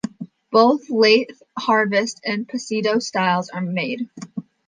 Both late harvest and "passito" styles are made.